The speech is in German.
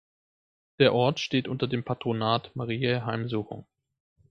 Der Ort steht unter dem Patronat Mariä Heimsuchung.